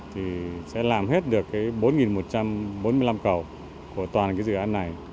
thì sẽ làm hết được cái bốn một trăm bốn mươi năm cầu của toàn dự án này